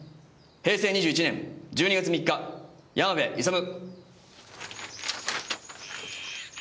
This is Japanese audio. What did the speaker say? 「平成２１年１２月３日山部勇」